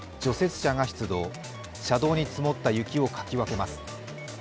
車道に積もった雪をかき分けます。